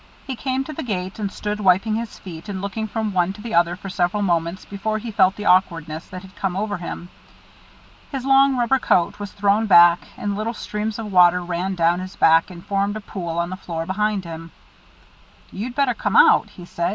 He came to the gate and stood wiping his feet and looking from one to the other for several moments before he felt the awkwardness that had come over him. His long rubber coat was thrown back, and little streams of water ran down his back and formed a pool on the floor behind him. "You'd better come out," he said.